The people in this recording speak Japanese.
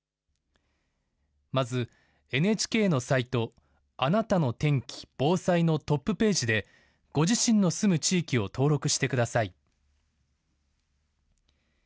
まず、ＮＨＫのサイトあなたの天気・防災のトップページでご自身の住む地域を登録してください。